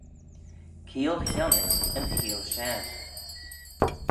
Keeayl chionnit yn cheeayl share,